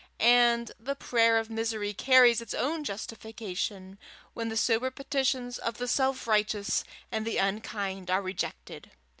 And the prayer of misery carries its own justification, when the sober petitions of the self righteous and the unkind are rejected.